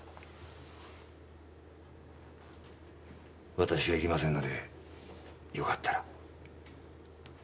わたしはいりませんのでよかったら。